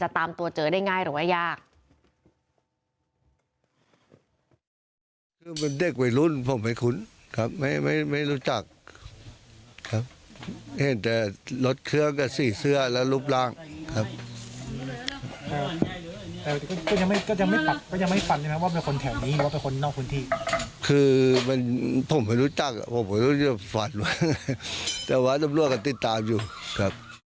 ตามตัวเจอได้ง่ายหรือว่ายาก